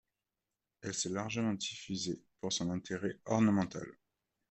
Elle s'est largement diffusée pour son intérêt ornemental.